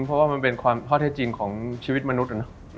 เพราะว่ามันเป็นความข้อเท็จจริงของชีวิตมนุษย์